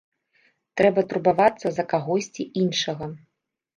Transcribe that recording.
Трэба турбавацца за кагосьці іншага.